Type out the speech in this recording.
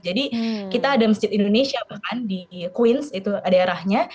jadi kita ada masjid indonesia bahkan di queens itu daerahnya